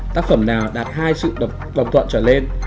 tác phẩm nào đạt hai sự đồng thuận trở lên